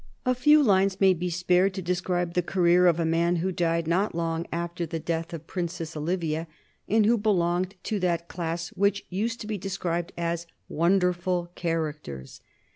A few lines may be spared to describe the career of a man who died not long after the death of the Princess Olivia, and who belonged to that class which used to be described as wonderful characters.